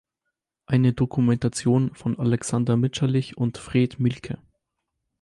Eine Dokumentation;" von Alexander Mitscherlich und Fred Mielke.